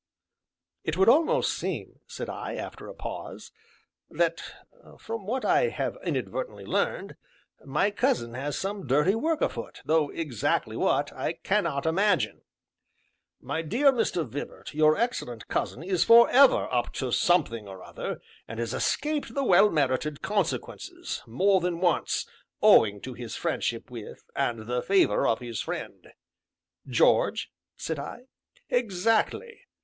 "It would almost seem," said I, after a pause, "that, from what I have inadvertently learned, my cousin has some dirty work afoot, though exactly what, I cannot imagine." "My dear Mr. Vibart, your excellent cousin is forever up to something or other, and has escaped the well merited consequences, more than once, owing to his friendship with, and the favor of his friend " "George?" said I. "Exactly!"